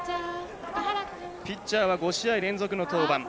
ピッチャーは５試合連続の登板。